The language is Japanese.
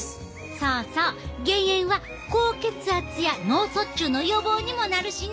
そうそう減塩は高血圧や脳卒中の予防にもなるしな！